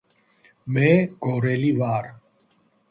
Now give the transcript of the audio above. მე გორელი ვარ